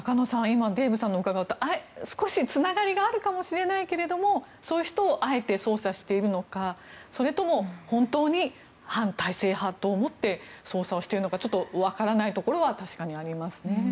今、デーブさんに伺った少しつながりがあるかもしれないけどもそういう人をあえて捜査しているのかそれとも本当に反体制派と思って捜査をしているのかわからないところは確かにありますね。